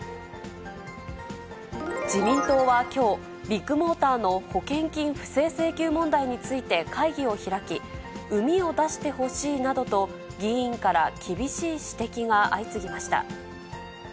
自民党はきょう、ビッグモーターの保険金不正請求問題について会議を開き、うみを出してほしいなどと、議員から厳しい指摘が相次ぎました。